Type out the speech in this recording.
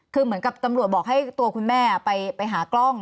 คือเหมือนกับตำรวจบอกให้ตัวคุณแม่ไปหากล้อง